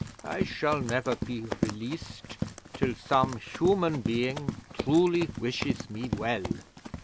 I shall never be released till some human being truly wishes me well."